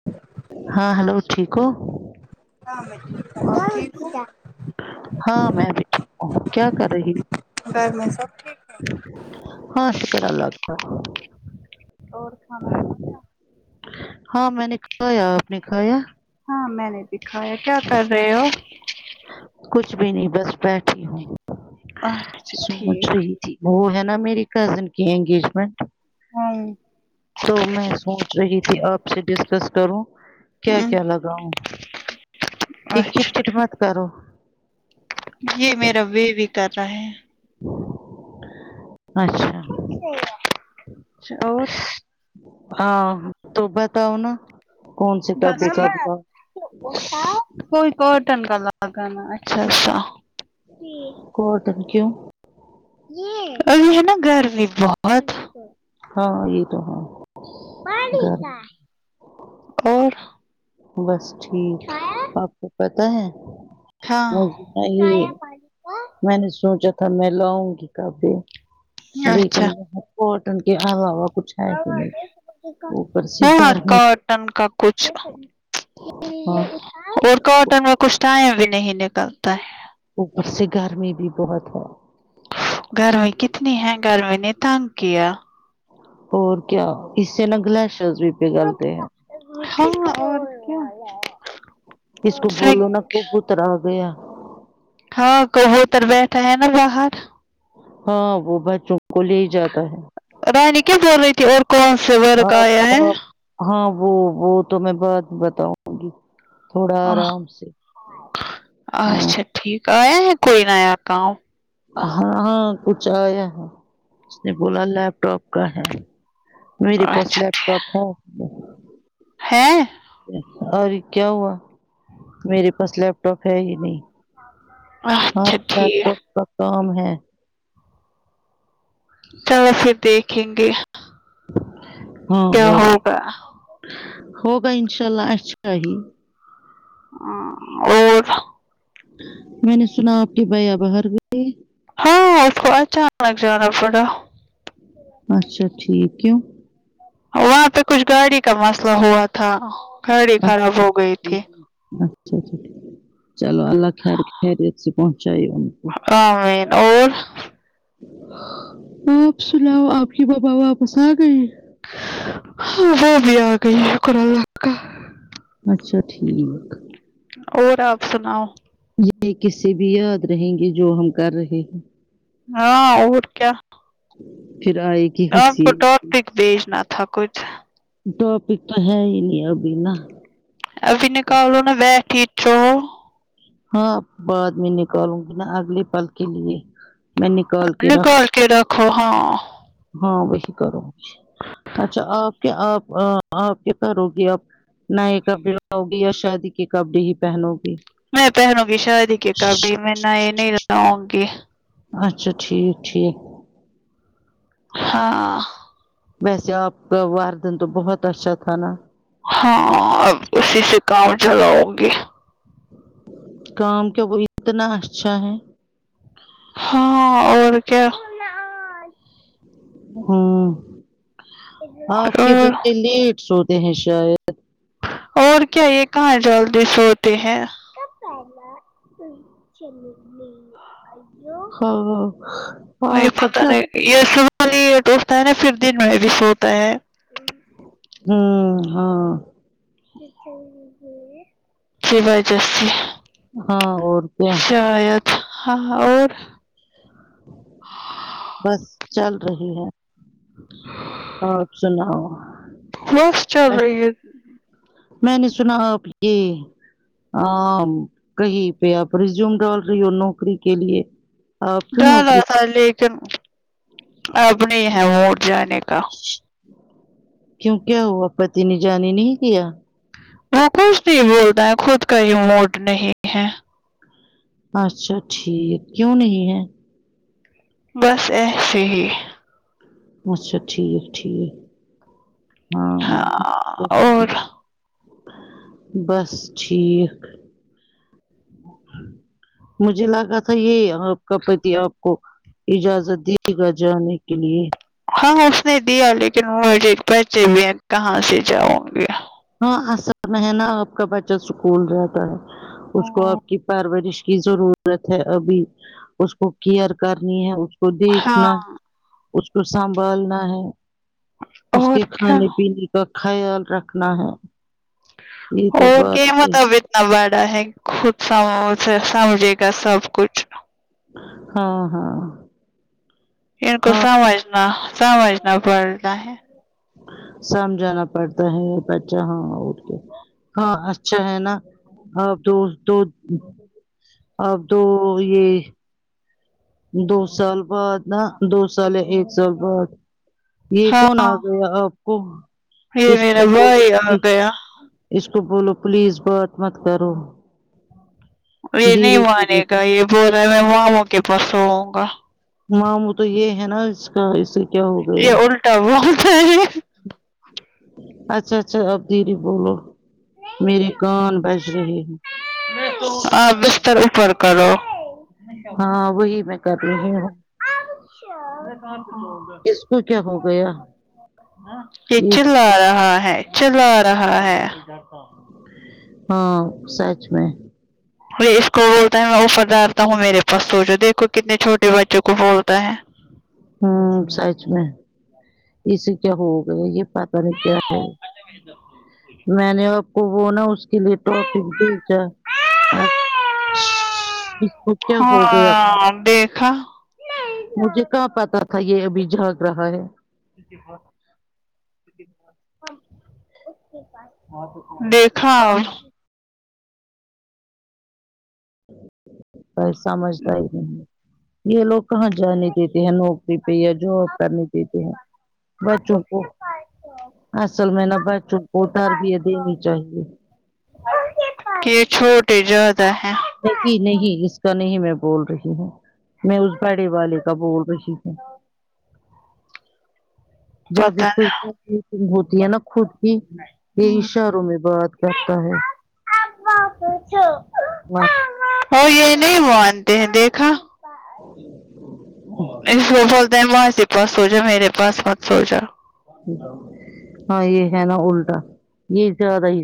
[unintelligible] ہاں ہیلو ٹھیک ہو ہاں میں ٹھیک ہوں آپ ٹھیک ہو ہاں میں بھی ٹھیک ہوں کیا کر رہی ہو گھر میں سب ٹھیک ہے ہاں شکر اللہ کا اور کھانا کھا ہاں میں نے کھایا آپ نے کھایا ہاں میں نے دکھایا کیا کر رہے ہو کچھ بھی نہیں بس بیٹھی ہوں اچھا سوچ ٹھیک رہی جی وہ ہے نا میری کزن کی انگیجمنٹ ہوں تو میں سوچ رہی تھی آپ سے ڈسکس کروں کیا ہوں کیا لگاؤوں ایک کٹ اچھا کٹ مت کرو یہ میرا بیبی کر رہا ہے اچھا اچھا اور ہاں تو بتاؤ نا کون سے بس کبھی کب ہوا ٹھیک کوئی کاٹن کا لگانا اچھا سا کورٹوں کیوں ابھی ہے نا گرمی بہت ہاں یہ تو ہے اور بس ٹھیک آپ کو پتا ہے ہاں مست ہے یہ [unintelligible] میں نے سوچا تھا میں لاؤں گی کبہی اچھا لیکن کورٹوں کی ہوا ہو گرمی [unintelligible] ٹن کا کچھ ہاں اور کاٹن میں کچھ ٹائم بھی نہیں نکلتا ہے اوپر سے گرمی بھی بہت ہے گرمی کتنی ہے گرمی نے تنگ کیا اور کیا اس سے نا گلشرز بھی پگالتے ہیں ہم اور کیا کس کو بولو نا سگ- [unintelligible] گیا ہاں کہو [unintelligible] ہے نا باہر ہاں وہ بچوں کو لے ہی جاتا ہے رانی کیا بول رہی تھی اور کون سے ورک آیا آپ ہیں آپ ہاں وہ وہ تو میں بات بتاؤں گی تھوڑا آرام سے ہاں اچھا ٹھیک آیا ہے کوئی نیا کام ہاں ہاں کچھ آیا ہے اس نے بولا لیپ ٹاپ کا ہے میرے پاس اچھا لیپ ٹھیک ٹاپ ہے ہے اور کیا ہوا میرے پاس لیپ ٹاپ ہے ہی نہیں ہاں اچھا لیپ ٹھیک ٹاپ کا کام ہے چلو پھر دیکھیں گے ہاں کیا اور ہوگا ہوگا ان شاء اللہ اچھا ہی اور میں نے سنا آپ کی بائیا باہر گئے ہاں اس کو اچانک جانا پڑا اچھا ٹھیک کیوں وہاں پہ کچھ گاڑی کا مسئلہ ہوا تھا گاڑی خراب ہو گئی تھی اچھا چلو اللہ خیر خیریت سے پہنچائی ہم آمین اور آپ سناؤ آپ کی وپس آ گئی ہاں وہ بھی آ گئی شکر اللہ کا اچھا ٹھیک اور آپ سناؤ یہ کسسے بھی یاد رہیں گے جو ہم کر رہے ہیں ہاں اور کیا پھر آئی آپ کو ٹا پک بھیجنا تھا کچھ ٹاپک تو ہے ہی نہیں ابھی نہ ابھی نکالو نہ بیٹھی چو ہاں بعد میں نکالوں گی نہ اگلے پل کے لیے میں نکال کے اپنے رکھ کر کے رکھو ہاں ہاں وہی کرو اچھا آپ کیا آپ آپ کیا کرو گی اب نئے کپڑے لاؤ گی یا شادی کے کپڑے ہی پہنو گی میں پہنوں گی شادی کےکپڑے میں نۓ نہیں لونگی گی اچھا ٹھیک ٹھیک ہاں ویسے آپ کا اردن تو بہت اچھا تھا نہ ہاں اب اسی سے کام چلاؤ ں گی کام کیا [unintelligible] اتنا اچھا ہے ہاں اور کیا ہمم آپ اور کے سوتے ہیں شاید [unintelligible] اور کیا یہ کہاں جو جلدی سوتے ہیں چل ہاں آپ [unintelligible] کو پتہ کیا نہیں [unintelligible] سوتا ہوتا ہے نا پھر دن میں بھی سوتا ہے ہمم ہاں [unintelligible] ہاں اور کیا ہاں اور بس چل رہی ہے آپ سناؤ بس چل میں رہی ہے میں نے سنا آپ یہ آ کہیں پہ آپ ریزیوم ڈال رہی ہو نوکری کے لیے آپ کیوں ڈالا نوکری تھا لیکن اب نہیں ہے وہٹ جانے کا کیوں کیا ہوا پتی نے جانے نہیں دیا وہ کچھ نہیں بولتا ہے خود کا ہی موڈ نہیں ہے اچھا ٹھیک کیوں نہیں ہے بس ایسے ہی اچھا ٹھیک ٹھیک ہاں ہاں اور بس ٹھیک مجھے لگا تھا یہی آپ کا پتی آپ کو اجازت دے گا جانے کے لیے ہاں اس نے دیا لیکن مجھے پچے بھی ہیں کہاں سے جاؤں گی ہاں اصل میں ہے نا آپ کا بچہ اسکول رہتا ہے اس کو ہوں، آپ کی پرورش کی ضرور ضورت ہے ابھی اس کو کیئر کرنی ہے اس کو دیکھنا ہاں اس کو سنبھالنا ہے اس کے اور کیا کھانے پینے کا خیال رکھ نا ہے اور بات کیا ہے۔ بتاؤ نہ باڑا ہے خود س سمجھے گا سب کچھ ہاں ہاں ان کو ہاں سمجھنا سمجھنا پڑتا ہے سمجھانا پڑتا ہے بچہ ہاں ا کےہاں اچھا ہے نا آپ دو دو آپ دو یہ دو سال بعد نہ دو سال ہے ایک سال بعد یہ کون آ ہاں گیا آپ کو یہ اس کو میرا بول بھائی آ گیا اس کو بولو پلیز بات مت کرو یہ نہیں دھیرے مانے دھیرے گا یہ بول رہا ہے میں ماموں کے پاس سوؤں گا ماموں تو یہ ہے نا اس کا اسے کیا ہو گیا یہ الٹا [unintelligible] اچھا اچھا اب دریی بولو میری کان بج رہہے ہے اسپیکر اوپر کرو ہاں وہی میں کر رہی ہوں تو کیا ہو گیا یہ چلا آرہا ہے چلا آ رہا ہے ہاں سچ میں ارے اس کو بولتا ہوں ےسا ڈارتا ہوں میرے پاس سوچو دیکھو کتنے چھوٹے بچے کو بولتا ہے ہوں سچ میں اسے کیا ہوگیا یہ پارٹی نے کیا ہے میں نے آپ کو وہ نا اس کے لیے ٹاپک بھیچا ہاں ہو گیا ں ں دیکھا مجھے کہاں پتا تھا یہ ابھی جھک رہا ہے [inaudible] تھا ب سمجھدار نہیں یہ لوگ کہاں جانے دیتے ہیں نوکری پہ یا جاب کرنے دیتے ہیں بچوں کو اصل میں نبا بچوں کو تربیت دینی چاہیے کہ یہ چھوٹے زیادہ ہے نہیں نہیں اس کا نہیں میں بول رہی ہوں میں اس بڑے والے کا بول رہی ہوں جب پتہ اسک نہیں [unintelligible] ہوتی ہے نا خود کی یہ اشاروں میں بات کرتا ہے ہاں [inaudible] تے ہیں دیکھا اس بو [unintelligible] لتے ہیں ماںسی پاس سو جا میرے پاس مت سو جا ہاں یہ ہے نا اللٹا یہ زیادہ ہی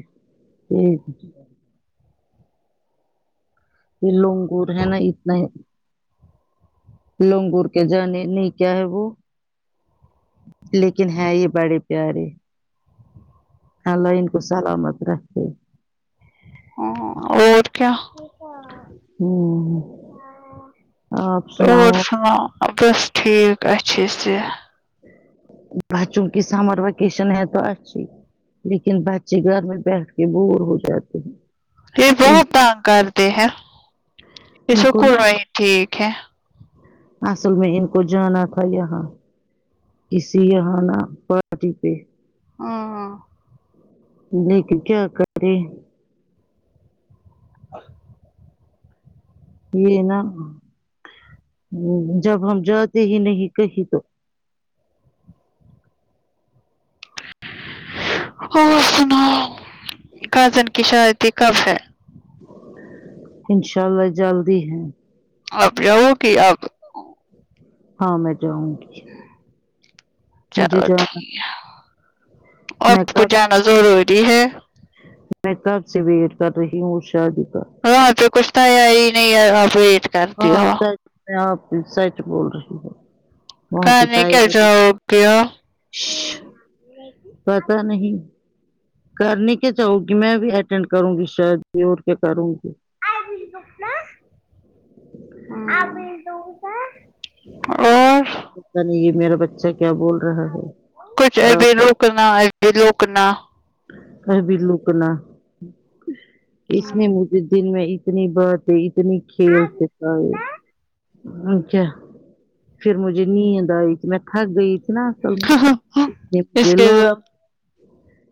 ہے یہ یہ لنگور ہے نا اتنا لنگور کے جانے نہیں کیا ہے وہ لیکن ہے یہ بڑے پیارے الله انکو سلامت رکھے ہوں اور کیا ہ آپ اور سناؤ سنا بس ٹھیک اچھی سے بچوں کی سمر ویکیشن ہے تو اچھی لیکن بچے گھر میں بیٹھ کے بور ہو جاتے ہیں یہ ان بہت تنگ کرتے ہیں اس ان کو سک نا [unintelligible] ہی ٹھیک ہے اصل میں ان کو جانا تھا یہاں کسی یہاں پارٹی پہ ہاں ہاں لیکن کیا کر رہے یہ نا جب ہم جاتے ہی نہیں کہیں تو ہو سناو کزن کی شادی کب ہے انشاء اللہ جلدی ہے آپ جو کہ آپ [unintelligible] ہاں میں جاؤں گی مجھے چلو جانا ٹھیک ہے میں آپکو کب جانا ضروری ہے میں کب سے ویٹ کر رہی ہوں شادی کا ہاں آاں پہ کچھ تو یار ہی نہیں آپ [unintelligible] ہاں ہو سچ میں آپ سچ بول رہی ہوں ک نہیں کیا جا پیا پت نہیں کرنی کیا چاہوں گی میں بھی اٹینڈ کروں گی شاید بھی اور کیا کروں گی آئی مل دوک نا آ مل د اور پتا نہیں یہ میرا بچہ کیا بول رہ کچھ ابھی رکنا ابھی روکنا ابھی روکنا اس ہم۔ نے مج دن میں اتنی بہت ہے کت نہیں کھیل سے [unintelligible] پ اچھا پھر مجھے نیند آئی تھی میں تھک گئی تھی نا اصل میں [unintelligible] اس مجھ کے ل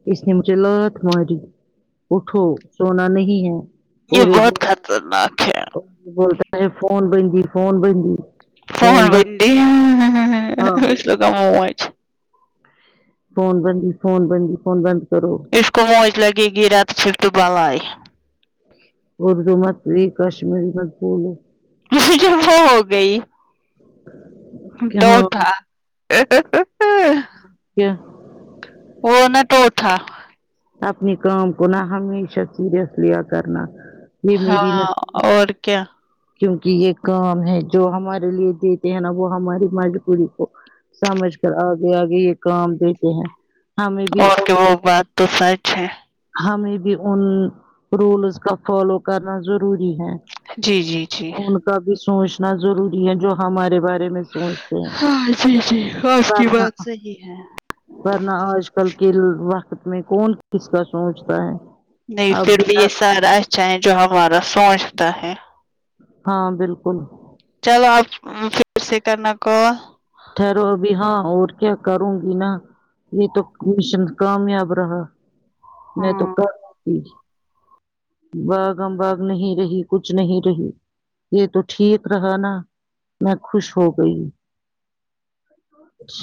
ک اس نے مجھے لا تھ ماری اٹھو سونا نہیں ہے یہ اور بہت بول خطرناک ہے بولتا ہے فون بندی فون بندی فن فون بند بڈ ہاں اس وہ اس لوگ م فون بند فون بندی فون بند کرو اس کو موج لگے گی رات چکٹ اردو متب کشمیری مت بھولو کچر وہ ہو گئی ہ تو تھا ا کیا ہونا تو تھا اپنی کام کو نا ہمیشہ سیریس لیا کرنا یہ میری ہاں نصیحت اور کیا کیونکہ یہ کام ہے جو ہمارے لیے دیتے ہیں نا وہ ہماری مجبوری کو سمجھ کر آگے آگے یہ کام دیتے ہیں ہمیں بھی اور ان کہ وہ بات تو سچ ہے ہمیں بھی ان رولز کا فالو کرنا ضروری ہے جی جی جی ان کا بھی سوچنا ضروری ہے جو ہمارے بارے میں سوچتے ہیں ہاں جی جی آج کی ورنہ بات صحیح ہے ورنہ آج کل کے وقت میں کون کس کا سوچتا ہے نہیں پھر بھی یہ سارا اچھا ہے جو ہمارا سوچتا ہے ہاں بالکل چلو اپ پھر سے کرنا کال ٹھہرو ابھی ہاں اور کیا کروں گی نا یہ تو کشن کامیاب رہا میں ہاں تو کر ت بھگ ہم بھاگ نہیں رہی کچھ نہیں رہی یہ تو ٹھیک رہا نا میں خوش ہو گئی چ